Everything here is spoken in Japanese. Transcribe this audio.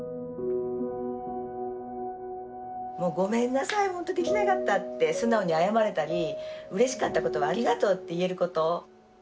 もう「ごめんなさいほんとできなかった」って素直に謝れたりうれしかったことは「ありがとう」って言えること。